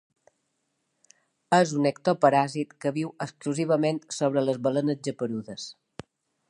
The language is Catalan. És un ectoparàsit que viu exclusivament sobre les balenes geperudes.